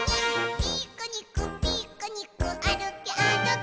「ピクニックピクニックあるけあるけ」